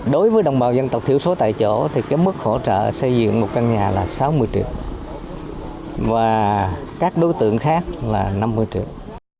đối với đồng bào dân tộc thiểu số tại chỗ thì mức hỗ trợ xây dựng một căn nhà là sáu mươi triệu và các đối tượng khác là năm mươi triệu